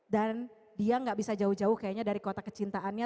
dan dia nggak bisa jauh jauh kayaknya dari kota kecintaannya